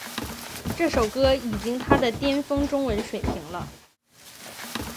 这首歌已经她的巅峰中文水平了